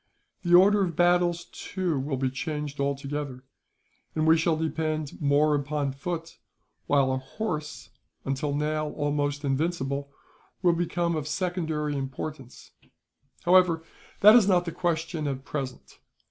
The order of battles, too, will be changed altogether; and we shall depend more upon foot, while our horse, until now almost invincible, will become of secondary importance. "However, that is not the question, at present.